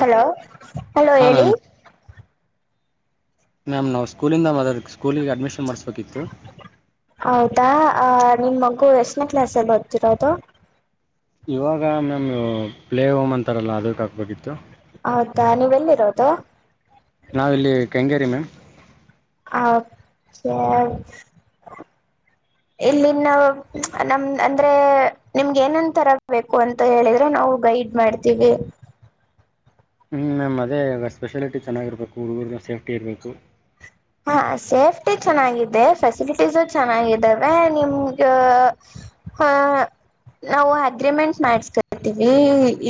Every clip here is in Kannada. ಹಲೋ ಹಲೋ ಹಾಂ ಹೇಳಿ ಮ್ಯಾಮ್ ಮ್ಯಾಮ್ ನಾವು ಸ್ಕೂಲಿಂದ ಮದದ ಸ್ಕೂಲಿಗೆ ಅಡ್ಮಿಷನ್ ಮಾಡಿಸ್ಬೇಕಿತ್ತು ಹೌದಾ ನಿಮ್ಮ ಮಗು ಎಷ್ಟನೇ ಕ್ಲಾಸಲ್ಲಿ ಬರ್ತಿರೋ ಅದು ಇವಾಗ ಮ್ಯಾಮ್ ಪ್ಲೇ ಹೋಮ್ ಅಂತಾರಲ್ಲ ಅದಕ್ಕೆ ಹಕ್ಬೇಕಿತ್ತು ಹೌದಾ ನೀವೆ ಎಲ್ಲಿರೋದು ನಾವಿಲ್ಲಿ ಕಂಗೇರಿ ಮ್ಯಾಮ್ ಅ ಇಲ್ಲಿ ನ ನಮ ಅಂದ್ರೆ ನಿಮ್ಗೆ ಏನನ್ ತರ ಬು ಅಂತ ಹೇಳಿದ್ರೆ ನಾವು ಗೈಡ್ ಮಾಡ್ತೀವಿ [unintelligible] ಹ್ಞೂ ಮ್ಯಾಮ್ ಅದೇ ಇವಾಗ ಸ್ಪೆಷಾಲಿಟಿ ಚೆನ್ನಾಗಿರಬೇಕು ಹುಡುಗರು ಜ ಸೇಫ್ಟಿ ಇರಬೇಕು ಹಾ ಸೇಫ್ಟಿ ಚೆನ್ನಾಗಿದೆ ಫೆಸಿಲಿಟೀಸ ಚೆನ್ನಾಗಿದ್ದಾವೆ ನಿಮ್ಗ ಹಾ ನಾವು ಅಗ್ರಿಮೆಂಟ್ ಮಾಡಸ್ಕತೀವಿ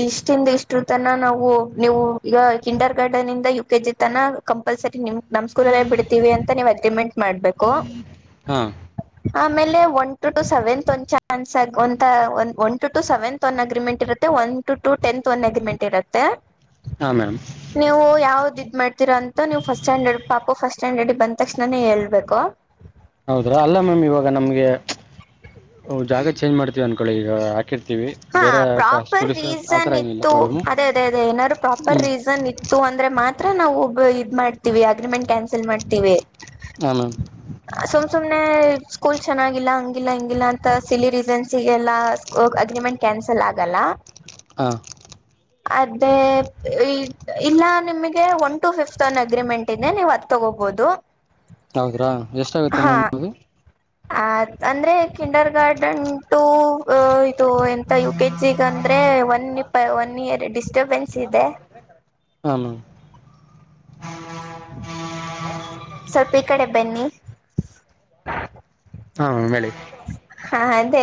ಇಷ್ಟಿಂದ ಇಷ್ಟರು ತನ ನಾವು ನೀವು ಈಗ ಕಿಂಡರ್ ಗಾರ್ಡನ್ ಇಂದ ಯು ಕೆ ಜಿ ತನ ಕಂಪಲ್ಸರಿ ನಿಮ್ ನಮ್ಮ್ ಸ್ಕೂಲ್ ಬಿ ಅಂತ ನೀವು್ ಅಕಮೆಂಟ್ ಮಾಡ್ಬೇಕು ಹಾ ಆಮೇಲೆ ಒನ್ ಟು ಟು ಸೆವೆನ್ತ್ ಒಂದು ಚಾನ್ಸ್ ಆಗ ಒ ಒ ಒನ್ ಟು ಟ ಸೆವೆಂತ್ ಒ ಅಗ್ರಿಮೆಂಟ್ ಇರುತ್ತೆ one to to tenth one agreement ಇರುತ್ತೆ ಹಾಂ ಮ್ಯಾಮ್ ನೀವು ಯಾವ್ದ ಇದ್ ಮಾಡ್ತೀರಾ ಅಂತ ನೀವು ಫಸ್ಟ್ ಸ್ಟ್ಯಾಂಡರ್ಡ್ ಪಾಪ ಫಸ್ಟ್ ಸ್ಟ್ಯಾಂಡ್ಡಿ ಬಂದ ತಕ್ಷಣಾನೇ ಹೇಳ್ಬೇಕು ಹೌದ್ರಾ ಅಲ್ಲ ಮ್ಯಾಮ್ ಇವಾಗ ನಮ್ಗೆ ಜಾಗ ಚೇಂಜ್ ಮಾಡ್ತೀವಿ ಅನ್ಕೊಳ್ಳಿ ಈಗ ಹಾಕಿರ್ತಿೀವಿ ಹಾ ಬೇರೆ ಪ್ರಾಪರ್ ಸ್ಕೂಲ ಆತರ ರೀಸನ್ ಏನಿಲ್ಲ ಇತ್ತು ಪ್ರಾಬ್ಲಮು ಅದೇ ಅದೇ ಅದೇ ಏನಾದ್ರು ಹ್ಞೂ ಪ್ರಾಪರ್ ರೀಸನ್ ಇತ್ತು ಅಂದ್ರೆ ಮಾ ಹತ್ರ ನಾವು ಒಬ್ಬ ಇದ್ ಮಾಡ್ತೀವಿ ಅಗ್ರಿಮೆಂಟ್ ಕ್ಯಾನ್ಸಲ್ ಮಾಡ್ತೀವಿ ಹಾಂ ಮ್ಯಾಮ್ ಸುಮ ಸುಮನೆ ಸ್ಕೂಲ್ ಚೆನ್ನಾಗಿಲ್ಲ ಹಂಗಿಲ್ಲ ಹಿಂಗಿಲ್ಲ ಅಂತ ಸಿಲ್ಲಿ ರೀಸನ್ಸ್ಲ್ಲಾ ಅಗ್ರಿಮೆಂಟ್ ಕ್ಯಾನ್ಸಲ್ ಆಗಲ್ಲ ಹಾ ಅದೇ ಇಲ್ಲ ನಿಮಗೆ one to fifth one agreement ಇದೆ ನೀವು ಅದೇ ತಗೋಬಹುದು ತಗೋ ಹೋಗ್ಬೋದು ಹೌದ್ರಾ ಎಷ್ಟಾಗುತ್ತೆ ಮೇಮ್ಿ ಅದು ಅ ಅಂದ್ರೆ ಕಿಂಡರ್ ಗಾರ್ಡನ್ ಟು ಅ ಇದು ಎಂತ ಯು ಕೆ ಜಿಗ ಅಂದ್ರೆ ಒನ್ ಇಯರ್ ಡಿಸ್ಟರ್ಬೆನ್ಸ್ ಇದೆ ಹಾಂ ಮ್ಯಾಮ್ ಸ್ವಲ್ಪ ಈ ಕಡೆ ಬನ್ನಿ ಹಾ ಬೆಳಿ ಹಾ ಅಂದೆ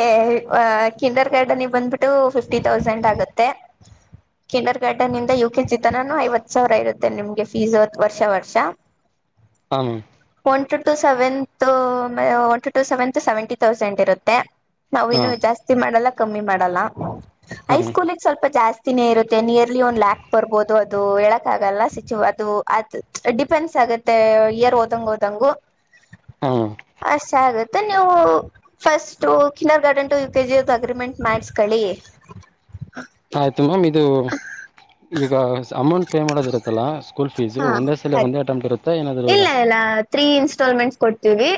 ಕಿಂಡರ್ ಗಾರ್ಡನ್ಿಗೆ ಬಂದ್ಬಿಟ್ಟು ಫಿಫ್ಟಿ ತೌಸಂಡ್ ಆಗುತ್ತೆ ಕಿನ್ನರ್ ಗಾರ್ಡನ್ ಇಂದ ಯು ಕೆ ಜಿತನಾನು ಐವತ್ ಸಾವಿರ ಇರುತ್ತೆ ನಿಮ್ಗೆ ಫೀಸ್ ವರ್ಷ ವರ್ಷ ಹ ಒ ಟ seventh one to seventh seventy thousand ಇರುತ್ತೆ ನಾವಿನ್ನು ಹಾಂ ಜಾಸ್ತಿ ಮಾಡಲ್ಲ ಕಮ್ಮಿ ಮಾಡಲ್ಲ ಹಾಂ ಮ್ಯಾಮ್ ಹೈಸ್ಕೂಗ್ ಸ್ವಲ್ಪ ಜಾಸ್ತಿ ಿನ ಇರುತ್ತೆ ನಿಯರ್ಲಿ ಒಂದು್ ಲ್ಾಕ್ ಬರ್ಬೋದು ಅದು ಹೇಳಕ್ಗಲ್ಲ ಸಿಚ ಅದು ಅದು ಡಿಪೆಂಡಸ್ ಗೆ ಇಯರ್ ಓದಂಗ ಹಓದಂಗ ಹಾಂ ಮ್ಯಾಮ್ ಅಷ್ಟ್ ಆಗುತ್ತೆ ನೀವು first kindergarten to U KG agreement ಮಾಡಸ್ಕಳಿ ಆಯ್ತು ಮ್ಯಾಮ್ ಇದು ಈಗ ಅಮೌಂಟ್ ಪೇ ಮಾಡೋದ್ ಇರುತ್ತಲ್ಲ ಸ್ಕೂಲ್ಫೀಸ್ ಹಾ ಒಂದ ಸಲ ಸರಿ ಒಂದೇ ಅಟೆಂಟ್ ಇರು ಇಲ್ಲ ಇಲ್ಲ ತ್ರೀ ಇನ್ಸ್ಟಾಲ್ಮೆಂಟ್ಸ್ ಕೊಡ್ತೀವಿ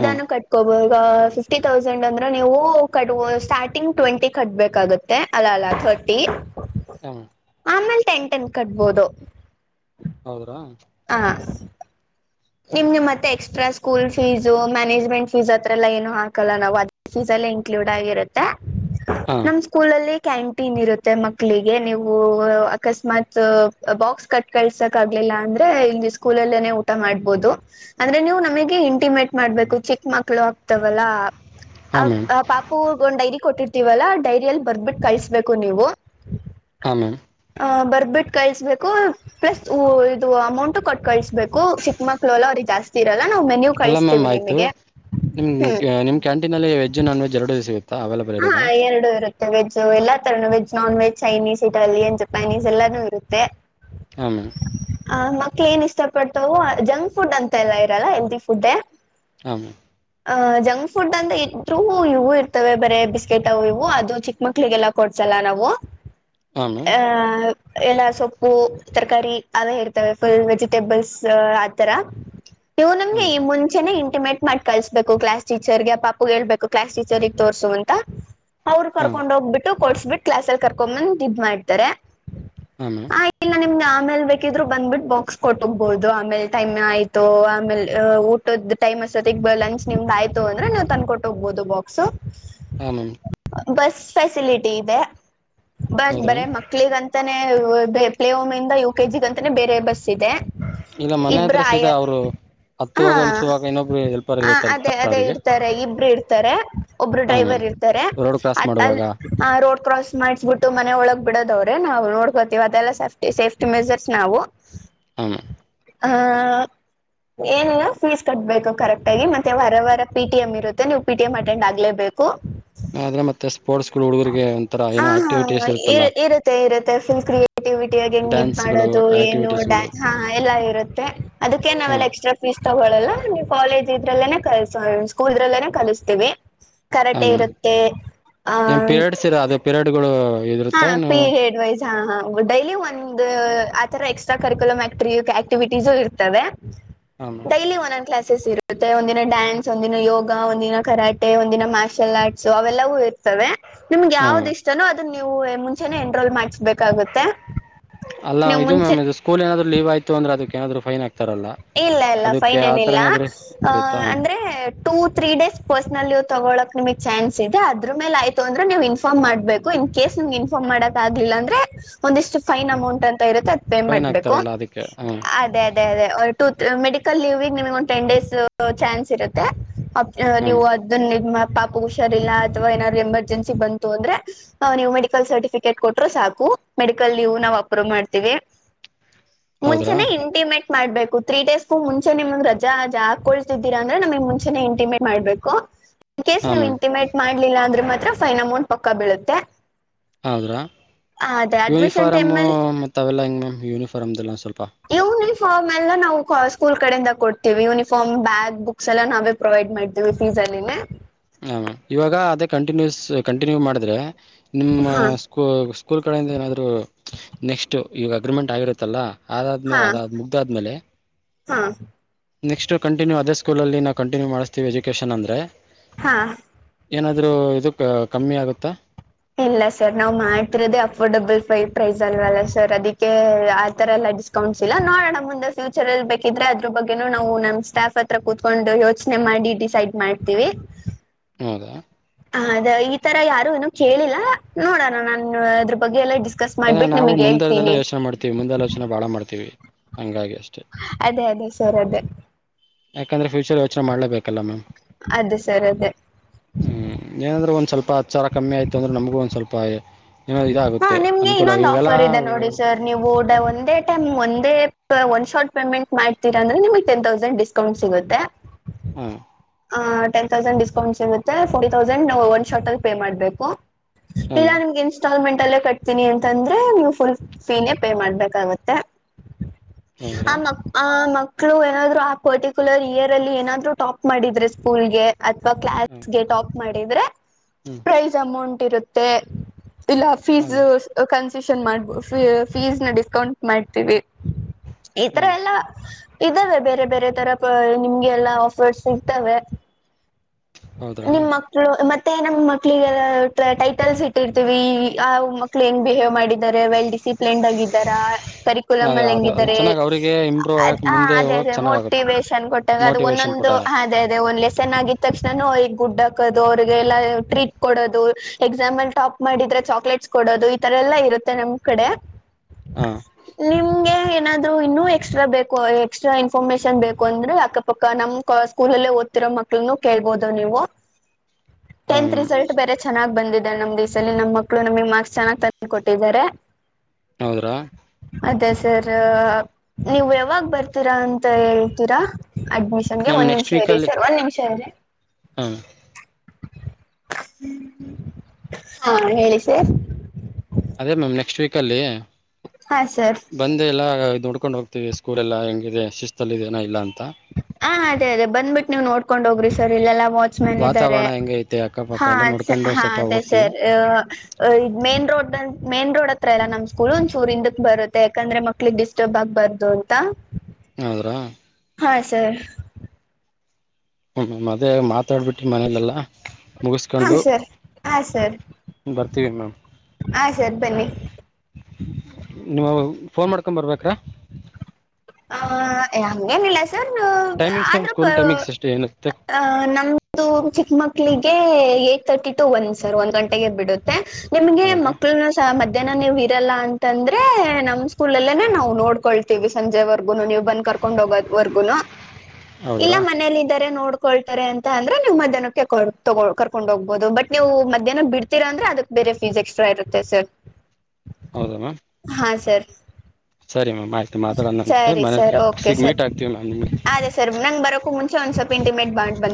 ಹಾಂ ಕಟ್ಕೋಬಹು ಫಿಫ್ಟಿ ತೌಸಂಡ್ ಅಂದ್ರೆ ನೀವು ಕ ಸ್ಟಾರ್ಟಿಂಗ್ ಟ್ವೆಂಟಿ ಕಟ್ಬೇಕಾಗುತ್ತೆ ಅಲ್ಲ ಅ ಕಟ್ಟಿ ಹ್ಮ ಆಮೇಲೆ ಟೆನ್ ಟೆನ್ ಕಟ್ಬೋದು ಹೌದ್ರಾ ಹ ನಿಮ್ ನಿ ಮತ್ತೆ extra school fees management fees ಹತ್ರ ಎಲ್ಲ ಏನು ಹಾಕಲ್ಲ ನಾವು ಅದ ೀಸ್ ಇನ್ಕ್ಲೂಡ್ ಆಗಿರುತ್ತೆ ಹಾಂ ನಮ್ ಸ್ಕೂಲಲ್ಲಿ ಕ್ಯಾಂಟೀನ್ ಇರುತ್ತೆ ಮಕ್ಳಿಗೆ ನೀವು ಅಕಸ್ಮಾತ್ ಬಾಕ್ಸ್ ಕಟ್ ಕಳ್ಸಕ್ ಆಗ್ಲಿಲ ಇಲ್ಲ ಅಂದ್ರೆ ಇಲ್ಲಿ ಸ್ಕೂಲ್ಲ್ಲೇೇ ಊಟ ಮಾಡ ಆಬಹುದು ಅಂದ್ರೆ ನೀವು ನಮಗೆ ಇಂಟಿಮೇಟ್ ಮಾಡ್ಬೇಕು ಚಿಕ್ಕ ಮಕ್ಳು ಆಗ್ತವಲ್ಲಾ ಹಾಂ ಮ್ಯಾಮ್ ಆ ಪಾಪುಗ್ ಒಂದ್ ಡೈರಿ ಕೊಟ್ಟಿರ್ತೀವಲ್ಲಾ ಆಯ್ತಾ ಡೈರಿಯಲ್ಲಿ ಬರ್ಬಿಟ್ಟು ಕಳ್ಸ್ಬೇಕು ನೀವು ಹ ಮೇ ಬರ್ಬಿಟ್ಟ ಕಳ್ಬೇಕು ಪ್ಲಸ್ ಇದು ಅಮೌಂಟ್ ಕೊಟ್ಟು ಕಳುಸ್ಬೇಕು ಚಿಕ್ ಕ್ಳ ಎಲ್ಲ ಅವರಿಗೆ ಜಾಸ್ತಿ ಏರಲಾ ಅಲ್ಲ ಮ್ಯಾಮ್ ಆಯ್ತು ನಿಮ್ ಹ್ಮ್ ನಿಮ್ ಕ್ಯಾಂಟೀನ್ಲ್ಲಿ ವೆಜ್ ನಾನ್ ವೆಜ್ ಎರಡು ಸಿಗು ಅ ಅವೈಲಬಲ್ ಹಾ ಎರಡು ಇರುತ್ತೆ ವೆಜ್ ಎಲ್ಲಾ ತರನೂ veg non veg Chinese Italian Japanese ಎಲ್ಲಾನು ಇರುತ್ತೆ ಹ ಮಾಮ್ ಕ್ಲೀನ್ ಇಷ್ಟ ಪಟ್ಟತವು ಜಂಕ್ ಫುಡ್ ಅಂತ ಎಲ್ಲಾ ಇರಲ್ಲ ಹೆಲ್ದಿ ಫುಡೇ ಹ ಮಾಮ್ ಅಹ ಜಂಕ್ ಫುಡ್ ಅಂತ ಇಟ್ರು ಇವು ಇರ್ತವೆ ಬರೆ ಬಿಸ್ಕೆಟ್ ಅವು ಇವು ಅದು ಚಿಕ್ಕ ಮಕ್ಳಿಗೆಲ್ಲ ಕೊಡ್ಸಲ್ಲ ನಾವು ಮ್ಯಾಮ್ ಹಾಂ ಮ್ಯಾಮ್ ಆ ಎಲ್ಲ ಸೊಪ್ಪು ತರಕಾರಿ ಅವು ಇರ್ತವೆ ಫುಲ್ ವೆಜಿಟೇಬಲ್ಸ್ ಆತರ ನೀವು ನಮ್ಗೆ ಹಾಂ ಈ ಮುಂಚೆನೆ ಇಂಟಿಮೇಟ್ ಮಾಡಿ ಕಳ್ಸ್ಬೇಕು ಕ್ಲಾಸ್ ಟೀಚರ್ಗೆ ಪಾಪು ಹೇಳ್ಬೇಕು ಕ್ಲಾಸ್ ಟೀಚರ್ರಿಗೆ ತೋರ್ಸು ಅಂತ ಅವರು ಹಾಂ ಕರ್ಕೊಂಡ್ ಹೋಗ್ಬಿಟ್ಟು ಕೊಡ್ಸ್ಬಿಟ್ಟು ಕ್ಲಾಸ್ ಅಲ್ಲಿ ಕರ್ಕೊಂಡ ಬಂದ್ ಇದ್ ಮಾಡ್ತಾರೆ ಹಾಂ ಮ್ಯಾಮ್ ಹ ಇಲ್ಲ ನಿಮ್ದ ಆಮೇಲೆ ಬೇಕಿದ್ರು ಬಂದ್ಬಿಟ್ಟು ಬಾಕ್ಸ್ ಕೊಟ್ಟ ಹೋಗ್ಬಹುದು ಆಮೇಲೆ ಟೈಮ್ ಆಯ್ತು ಆಮೇಲೆ ಊಟದ ಟೈಮ್ ಮತಿಗ್ ಲಂಚ್ಮ್ದ ಆಯ್ತ ಅ್ರೆ ನೀವು ತಂದುಕೊಂಡಟ್ಟ ಹೋಗ್ಬಹ ಬಕ್ಸ್ ಹ ಬಸ್ ಫೆಸಿಲಿಟಿ ಇದೆ ಬಸ್ ಹೌದ್ರಾ ಬರ ಮಕ್ಕಳಿಗಂತಾನೇ ಪ್ಲೇ ಹೋಮ್ ಇಂದ ಯು ಕೆಜಿಗಂತಾನೇ ಬೇರೆ ಬಸ್ ಇದೆ ಇಲ್ಲ ಮನೆ ಇಬ್ರು ಹತ್ರ ಸದ ಆಯ ಅವರು ಹಾ ಹತ್ತುವಾಗ ಇಳಿಸುವಾಗ ಇನ್ನೊಬ್ರು ಹೆಲ್ಪರ್ ಹ ಅದೇ ಇರುತ್ತಾರೆ ಅದೇ ಅವರಿಗೆ ಇರ್ತಾರೆ ಇಬ್ರು ಇರ್ತಾರೆ ಒಬ್ರು ಹಾಂ ಡ್ರೈವರ್ ಮ್ಯಾಮ್ ಇರ್ತಾರೆ ರೋಡ್ ಕ್ರಾಸ್ ಮಾಡುವಾಗ ಅ ರೋಡ್ ಕ್ರಾಸ್ ಮಾಡಸ್ಬಿಟ್ಟು ಮನೆ ಒಳಗ್ ಬಿಡ ್ರೆ ನಾವು ನೋಡ್ಕೋತೀವಿ ಅದೆಲ್ಲ ಸೇಫ್ಟಿ ಸೇಫ್ಟಿ ಮೆಜರ್ಸ್ ನಾವು ಆಮ ಹ ಏನಿಲ್ಲ ಫೀಸ್ ಕಟ್ಬೇಕು ಕರೆಕ್ಟ್ ಆಗ ಮತ್ತೆ ವ ವಾರ ಪಿಟಿ ಎಂ ಇರುತ್ತೆ ನೀವು ಪಿಟಿ ಎಂ ೆಂಡ್ ಆಗ್ಲೇಬೇಕು ಆದ್ರೆ ಮತ್ತೆ ಸ್ಪೋರ್ಟ್ಸ್ಗಳು ಹುಡುಗರಿಗೆ ಒಂಥರ ಹ ಏನೋ ಹಾ ಆಕ್ಟಿವಿಟೀಸ್ ಇ ಇರುತ್ತಲ್ಲ ಇರುತ್ತೆ ಇರುತ್ತೆ ಫುಲ್ ಕ್ರಿಯೇಟಿವಿಟಿ ಆಾಗಿ ಹೆಂಗ ಡ್ಯಾನ್ಸ್ಗಳು ಮಾಡದು ಏನು ಆಕ್ಟಿವಿಟೀಸ್ಗಳು ಡಾನ್ ಹಾ ಎಲ್ಲಾ ಇರುತ್ತೆ ಅದಕ್ಕೆ ಹಾ ನಾವೆಲ್ಲ ಎಕ್ಸ್ಟ್ರಾ ಫೀಸ್ ತಗೊಳ್ಳಳಲ್ಲ ನೀ್ ಕಾಲೇಜ್ ಲ್ಲ ಕ ಸ್ಕೂಲ್್ರಲ್ಲೇ ಕಲಿಸತೀವಿ ಕರಟೆ ಇರುತ್ತೆ ಆ ಪಿರೇಡ್ಸ್ ಇರ ಅದೇ ಪಿರೇಡ್ ಗಳು ಹಾ ಪೀರಿಯಡ್ ವೈಸ್ ಹಾ ಹ ಡೈಲಿ ಒಂದು ಆ ತರ ಎಕ್ಸ್ಟ್ರ ಕರಿಕುಲಮಂ ಆಕ್ಟ ಆಕ್ಟಿವಿಟೀಸ್ು ಇರ್ತದೆ ಹಾ ma'am daily one on classes ಇರು ಮತ್ತೆ ಒಂದಿನ ಡ್ಯಾನ್ಸ್ ಒಂದಿನ ಯೋಗ ಒಂದಿನ ಕರಾಟೆ ಒಂದಿನ ಮಾರ್ಷಲ್ ಆರ್ಟ್ಸ್ ಅವೆಲ್ಲವ ಇರುತ್ತೆ ನಿಮ್ಗೆ ಹಾ ಯಾವ್ದ ಮ್ಯಾಮ್ ಇಷ್ಟನೋ ಅದನ್ನ ನೀವು ಮುಂಚೆನೆೇ ಎನ್ರೋಲ್ ಮಾಡಸ್ಬೇಕು ಅಲ್ಲ ಇದು ಮುಂಚೆ ಮ್ಯಾಮ್ ಇದು ಸ್ಕೂಲ್ ಏನಾದ್ರು ಲವ ಆಯ್ತು ಅಂದ್ರೆ ಅದಕ್ ಏನಾದ್ರು ಫೈನ್ ಆತು ಇಲ್ಲ ಇಲ್ಲ ಫೈನ್ ಏನಲ್ಲ ಅ ಇರುತ್ತಾ ಅಂದ್ರೆ ಟೂ ತ್ರ ಡೇಸ್ ಪರ್ಸ್ನಲ್್ ತಗೊಳಕ್ ನಿಮಗ್ ಚಾನ್ಸ್ ಇದೆ ಅದ್ರ ಮೇಲೆ ಆಯತು ಅಂದ್ರೆ ನೀವು ಇನ್ಫಾರ್ಮ್ ಮಾಡಬೇಕು ಕೇಸನ್ ಇನ್ಫಾರ್ಮ್ ಮಾಡಕ್ ಆಗ್ಲಿಲ್ಲ ಅಂದ್ರೆ ಒಂದಿಷ್ಟು ಫೈನ್ ಅಮೌಂಟ್ ಅಂತ ಇರುತ್ತೆ ಅದ ಪೇ ಫೈನ್ ಮಾಡ್ಬೇಕು ಹಾಕ್ತಾರಲ್ಲ ಅದಕ್ಕೆ ಹಾ ಹಾ ಅದೇ ಅದೇ ಅದೇ ಮೆಡಿಕಲ್ ಲೀವ್ ನಿಮಗೆ ಒಂದು ಟೆನ್ ಡೇಸ್ ಚಾನ್ಸ್ ಇರುತ್ತೆ ಮ್ಯಾಮ್ ನೀವು ಅದನ್ನ ನಿ ಪಾಪ ಹುಷಾರಿಲ್ಲ ಅಥವಾ ಏನಾದ್ರು ಎಮರ್ಜೆನ್ಸಿ ಬಂತು ಅಂದ್ರೆ ನೀವು ಮೆಡಿಕಲ್ ಸರ್ಟಿಫಿಕೇಟ್ ಕೊಟ್ಟ್ರರು ಸಾಕು ಮೆಡಿಕಲ್ ನೀವು ನಾವವು ಅಪ್ರೂವ್ ಮಾಡ್ತೀವಿ ಈ ಮುಂಚೆನೆ ಇಂಟಿಮೇಟ್ ಮಾಡ್ಬೇಕು ತ್ರೀ ಡೇಸ್ಗೂ ಮುಂಚೆ ನಿಮ ರಜ ಹಾಕೊಳ್ತಿದ್ದೀರಾಂದ್ರ ನಮಗ್ ಮುಂಚೆನೆ ಇಂಟಿಮೆ ಮಾಡ್ಬೇಕು ಕೇಸ್ ಹಾ ನೀ್ ಮ್ಯಾಮ್ ಇಂಟಿಮೇಟ್ ಮಾಡ್ಲಿಲ್ಲ ಆದ್ರೆ ಮಾತ್ರ ಫೈನ್ ಅಮೌಂಟ್ ಪಕ್ಕ ಬೀಳುತ್ತೆ ಹೌದ್ರಾ ಅದೇ ಅಡ್ಮಿಷನ್ ಟೈಮ್ ಯೂನಿಫಾರ್ಮು ಅಲ್ಲಿ ಮತ್ತತ್ ಅವೆಲ್ಲ ಹೆಂಗ್ ಮ್ಯಾಮ್ ಯೂನಿಫಾರ್ಮ್ದಲ್ಲ ಸ್ವಲ್ಪ ಹ ಮೆಲ್ಲ ನಾವು ಸ್ಕೂಲ್ ಕಡೆಯಿಂದ ಕೊಡ್ತೀವಿ ಯೂನಿಫಾರ್ಮ್ ಬ್ಯಾಗ್ ಬುಕ್ಸ್ ಎಲ್ಲ ನಾವೇ ಪ್ರೊವೈಡ್ ಮಾಡ್ತೀವಿ ಫೀಸ್ ಅಲ್ಲಿೇ ಹ ಇವಾಗ ಅದೇ ಕಂಟಿನ್ಯೂಸ್ ಕಂಟಿನ್ಯೂ ಮಾಡಿದ್ರೆ ನಿಮ್ಮ ಹಾ ಸ್ಕೂ ಸ್ಕೂಲ್ ಕಡೆಯಿಂದ ಏನಾದರೂ ನೆಕ್ಸ್ಟು ಈವಾಗ ಅಗ್ರಿಮೆಂಟ್ ಆಗಿರುತ್ತಲ್ಲ ಅಾದ್ಮೇಲೆ ಹಾ ಅದಾದ ಮುಗ್ದಾದ್ಮೇಲೆ ಹಾ ನೆಕ್ಸ್ಟ್ ಕಂಿನ್ಯೂ ಅದ ಸ್ಕೂಲ್ಲಿ ನಾ ಕಂಟಿನ್ಯೂ ಮಾಡ್ತೀವಿ ಎಜುಕೇನ್ಂದ್ರೆ ಹಾ ಏನಾದ್ರರು ಇದು ಕಮ್ಮಿ ಆಗುತ್ತಾ ಇಲ್ಲ ಸರ್ ನಾವ್ ಮಾಡ್ತಿರೋದೇ ಅಫೋರ್ಡೆಬಲ್ೈ ಪ್ರೈಸ್ ಅಲ್ವಲ್ಲ ಸರ್ ಅದಕ್ಕೆ ಆತರ ಎ ಡಿಸ್ಕೌಂಟ್ಸ್ ಇಲ್ಲ ನೋಡೋಣ ಮುಂದ ಫ್ಯೂಚರ್ ಅ ಬೇಕಿದ್ರೆ ಅದ್ರ ಬಗ್ಗೊ ನಾವು ನಮ್ಮ ಸ್ಟಾಫ್ತ್ರ ಕೂತ್ಕೊಂಡು ಯೋಚನೆ ಮಾಡಿ ಡಿಸೈಡ್ ಮಾಡ್ತೀವಿ ಹೌದಾ ಅದ ಈ ತರ ಯಾರು ಏನ ಕೇಳಿಲ್ಲ ನೋಡೋಣ ನಾನು ಅದ್ರ ಬಗ್ಗೆ ಎಲ್ಲ ಡಿಸ್ಕಸ್ ಯಾಕಂದ್ರೆ ಮಾಡ್ಬಿಟ್ಟು ನಾವು ನಿಮಗ್ ಮುಂದೆದೆಲ್ಲ ಹೇಳ್ತೀನಿ ಯೋಚನೆ ಮಾಡ್ತೀವಿ ಮುಂದ ಯೋಚನೆ ಬಾಳ ಮಾಡ್ತೀವಿ ಹಂಗಾಗಿ ಅಷ್ಟೇ ಅದೇ ಅದೇ ಸರ್ ಅದೇ ಯಾಕಂದ್ರೆ ಫ್ಯೂಚರ್ ಯೋಚನೆ ಮಾಡ್ಲೇಬೇಕು ಅದೇ ಸರಿ ಹ್ಮ್ ಏನಂದ್ರೆ ಒಂದ್ ಸ್ವಲ್ಪ ಹತ್ತು ಸಾವಿರ ಕಮ್ಮಿ ಆಯ್ತು ಅಂದ್ರೆ ನಮ್ಗೂ ಒಂದ್ ಸ್ವಲ್ಪ ಏನೋ ಇದ ಆಗುತ್ತೆ ನಿಮಗೆ ಇನ್ನೊಂದು ಆಫರ್ ಇದೆ ನೋಡಿ ಸರ್ ನೀವು ಒಂದೇ ಟೈಮ್ ಒಂದೇ ಒನ್ ಶಾರ್ಟ್ ಪೇಮೆಂಟ್ ಮಾಡ್ತೀರ ಅಂದ್ರೆ ನಿಮ್ಗ್ ಟೆನ್ ತೌಸಂಡ್ ಡಿಸ್ಕೌಂಟ್ ಸಿಗುತ್ತೆ ಹ್ಮ ಆ ಟೆನ್ ತೌಸಂಡ್ ಡ್ಕೌಂಟ್ ಸಿಗುತ್ತೆ ಫೋರ್ಟಿ ತೌಸಂಡ್ ಒಂದು ಶಾರ್ಟ ಅಲ್ಲಿ ಪೇ ಮಾಡ್ಬೇಕು ಹ ಇಲ್ಲ ಮ್ಯಾಮ್ ನಿಮ್ಗೆ ಇನ್ ಇನ್ಸ್ಟಾಲ್ಮೆಂಟ್ ಅಲ್ಲೇ ಕಟ್ತೀನಿ ಅಂತಂದ್ರೆ ನೀವು ಫುಲ್ ಫೀನೇ ಪೇ ಮಾಡ್ಬೇಕಾಗತ್ತೆ ಹೌದ್ರಾ [unintelligible] ಮಕ್ಕಳು ಏನಾದ್ರು ಆ ಪರ್ಟಿಕ್ಯುಲರ್ ಇಯರ್ ಅಲ್ಲಿ ಏನಾದ್ರು ಟಾಪ್ ಮಾಡಿದ್ರೆ ಸ್ಕೂಲ್ಗೆ ಅಥವಾ ಹ್ಮ್ ಕ್ಲಾಸ್ಗೆ ಟಾಪ್ ಮಾಡಿದ್ರೆ ಹ್ಮ್ ಪ್ರೈಸ್ ಅಮೌಂಟ್ ಇರುತ್ತೆ ಇಲ್ಲ ಫೀಸ್ ಹ್ಮ್ ಕನ್ಸೆಷನ್ ಮಾಡು ಫೀಸ್ ನ ಡಿಸ್ಕೌಂಟ್ ಮಾಡ್ತೀವಿ ಈ ತರ ಹ್ಮ್ ಎಲ್ಲ ಇದಾವೆ ಬೇರೆ ಬೇರೆ ತರ ನಿಮ್ಗೆ ಎಲ್ಲಾ ಆಫರ್ಸ್ ಸಿಗ್ತವೆ ಹೌದ್ರಾ ನಿಮ್ಮ ಮಕ್ಳು ಮತ್ತೆ ನಿ ಮ್ಮ್ ಮಕ್ಳಿಗೆಲ್ಲ ಟೈಟಲ್ಸ್ ಇಟ್ಟಿರ್ತೀವಿ ಆ ಮಕ್ಳ ಎಂಗೆ ಬಿಹೇವ್ ಮಾಡಿದ್ ವಲ್ ಡಿಸಿಪ್ನ್ ಆಗಿ ಇದರ ಕರಿಕ್ಯುಲ್ ಅದ ಅಲ್ಲಿ ಅದು ಅದು ಹೆಂಗಿದ್ದಾರೆ ಚೆನ್ನಾಗ್ ಅವ್ರಿಗೆ ಇಂಪ್ರೂವ್ ಆಗಕ್ ಹ ಮುಂದೆ ಹೋಗಕ್ ಅದೇ ಚೆನ್ನಾಗ್ ಆಗುತ್ತೆ ಮೋಟಿವೇೇಶನ್ ಕೊಟ್ಟಾಗ ಅದು ಮೋಟಿವೇಶನ್ ಒಂದೊಂದು ಕೊಟ್ಟ ಅದೇ ಅದೇ ಒಂದು ತಕ್ಷಣ ಈಗ ಗುಡ್ ಹಾಕೋದು ಅವರಿಗೆಲ್ಲ ಟ್ರೀಟ್ ಕೊಡೋದು ಎಕ್ಸಾಮಲ್ಲಿ ಟಾಪ್ ಮಾಡಿದ್ರೆ ಚಾಕ್ಲೇಟ್ ಕೊಡೋದು ಈ ತರ ಎಲ್ಲ ಇರುತ್ತೆ ನಮ್ ಕಡೆ ಹಾ ನಿಮ್ಗೆ ಏನಾದ್ರೂ ಇನ್ನೂ ಎಕ್ಸ್ಟ್ರಾ ಇನ್ಫಾರ್ಮಶನ್ ಬೇಕಾದರೆ ಅಕ್ಕ ಪಕ್ಕಾ ನಮ್ಮ ಸ್ಕೂಲ್ ಅಲ್ಲೇ ಓದು ಮಕ್ಕಳ ಕೇೇಳಬಹದು ನೀವು ಹ ಟೆಂತ್ ಮ್ಯಾಮ್ ರಿಸಲ್ಟ್ ಬೇರೆ ಚೆನ್ನಾಗಿ ಬಂದಿದೆ ನಮ್ದು ಈ ಸಲಿ ನಮ್ಮ್ ಮಕ್ಳು ನಮಗೆ ಮಾರ್ಕ್ಸ್ ಚೆನ್ನಾಗಿ ತಂದು ಕೊಟ್ಟಿದ್ದಾರೆ ಹೌದ್ರಾ ಅದೇ ಸರ್ ನೀವು ಯಾವಾಗ ಬರ್ತೀರಾ ಅಂತ ಹೇಳ್ತೀರಾ ಅಡ್ಮಿಷನ್ಗೆ ಒಂದ್ ನಿಮಿಷ ಇರಿ ಸರ್ ಒಂದ್ ನಿಮಿಷ ಇರಿ ಹ್ಮ್ ಹಾ ಹೇಳಿ ಸರ್ ಅದೇ ಮ್ಯಾಮ್ ನೆಕ್ಸ್ಟ್ ವೀಕ್ ಅಲ್ಲಿ ಹಾ ಸರ್ ಅದೇ ನೋಡಿಕೊಂಡು ಹೋಗ್ತಿವಿ ಸ್ಕೂಲ್ ಎಲ್ಲಾ ಶಿಸ್ತು ಅಲ್ಲಿ ಇದೇನ ಇಲ್ಲಾ ಅಂತ ಹಾ ಅದೇ ಅದೇ ಬಂದ್ಬಿಟ್ಟು ನೀವ್ ನೋಡ್ಕೊಂಡ್ ಹೋಗ್ರಿ ಸರ್ ಇಲ್ಲೆಲ್ಲಾ ವಾಚ್ ಮ್ಯಾನ್ ಇದ್ದಾರೆ ವಾತಾವರಣ ಹೆಂಗ ಐತೆ ಅಕ್ಕಪಕ್ಕ ಹಾ ಎಲ್ಲ ನೋಡ್ಕೊಂಡು ಹಾ ಸ್ವಲ್ಪ ಅದೇ ಹೋಗ್ತೀವಿ ಸರ್ ಮೇನ್ ರೋಡ್ ಅ ಮೇನ್ ರೋಡ್ ಹತ್ರ ಎಲ್ಲ ನಮ್ ಸ್ಕೂಲ್ ಒಂದ್ ಚೂರು ಇಂದಕ್ಕೆ ಬರುತ್ತೆ ಯಾಕಂದ್ರೆ ಮಕ್ಳಿಗೆ ಡಿಸ್ಟರ್ಬ್ ಆಗ್ಬಾರ್ದು ಅಂತ ಹೌದಾ ರ ಹಾ ಸರ್ ಹ್ಮ್ ಮ್ಯಾಮ್ ಮಾತಾಡ್ಬಿಟ್ಟಿ ಮನೇಲೆೆಲ್ಲಾ ಹಾ ಸರ್ ಹಾ ಸರ್ ಬರ್ತೀವಿ ಮ್ಯಾಮ್ ಆ ಸರ್ ಬನ್ನಿ ನೀವು ಫೋನ್ ಮಾಡ್ಕೊಂಡ ಬರ್ಬೇಕ್ರಾ ಹ ಅಂಗೇನಿಲ್ಲ sir timings ma'am school timings ಏನು ಹಾ ನಮ್ದು ಚಿಕ್ಕಮಕ್ಳಿಗೆ [unintelligible] ಸರ್ ಒಂದ್ ಗಂಟೆಗೆ ಬಿಡುತ್ತೆ ನಿಮಗೆ ಹೌದ್ರಾ ಮಕ್ಕಳನ ಸಹ ಮಧ್ಯಾಹ್ನ ನೀವು ಇರಲ್ಲ ಅಂತಂದ್ರೆ ನಮ್ ಸ್ಕೂಲ್ ಅಲ್ಲೇನೆ ನಾವು ನೋಡ್ಕೊಳ್ತೀವಿ ಸಂಜೆರ್ವಗು ನೀವು ಬಂದ್ ಕರ್ಕೊಂಡ್ ಹೋಗೋದವರ್ಗುನು ಇಲ್ಲ ಹೌದ್ರಾ ಮನೇಲಿ ಇದಾರೆ ನೋಡ್ ನೋಡಿಕೊಳ್ಳುತ್ತಾರೆ ಅಂತ ಅಂದ್ರೆ ನೀವು ಮಧ್ಯಾಹ್ನಕ್ಕೆ ಕರ್ಕೊಂಡು ಹೋಗ್ಬಹುದು ಬಟ್ ನೀವು ಮಧ್ಯಾಹ್ನಕ್ ಬಿಡ್ತೀರ ಅಂದ್ರೆ ಅದಕ್ ಫೀಸ್ ಎಕ್ಸ್ಟ್ರಾ ಇರುತ್ತೆ ಸರ್ ಹೌದ ಮ್ಯಾಮ್ ಹಾ‌ ಸರ್ ಸರಿ ಮ್ಯಾಮ್ ಆಯಿತು ಮಾತಾಡೋಣಂತೆ ಸರಿ ಮನೆ ಸರ್ ಓಕೆ ಸಿಗ್ ಸರ್ ಮೀಟ್ ಆಗ್ತೀವಿ ಮ್ಯಾಮ್ ನಿಮಗೆ ಅದೇ ಸರ್ ನಂ ಬರೋಕೂ ಮುಂಚೆ ಒಂದ್ ಸ್ವಲ್ಪ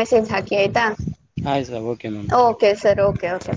ಮೆಸೇಜ್ ಹಾಕಿ ಆಯ್ತು sir okay ma'am sir okay okay okay